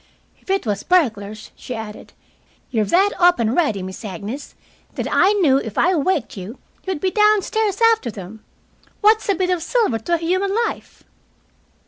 "If it was burglars," she added, "you're that up and ready, Miss Agnes, that I knew if I waked you you'd be downstairs after them. What's a bit of silver to a human life?"